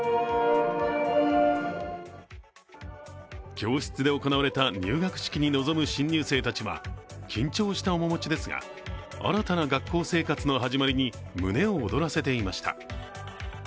教室で行われた入学式に臨む新入生たちは緊張した面持ちですが新たな学校生活の始まりに胸を躍らせていました。